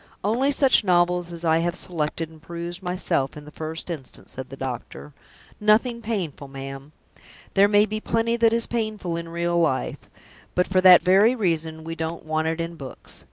"Only such novels as I have selected and perused myself, in the first instance," said the doctor. "Nothing painful, ma'am! There may be plenty that is painful in real life; but for that very reason, we don't want it in books.